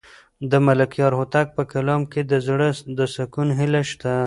د ملکیار هوتک په کلام کې د زړه د سکون هیله شته.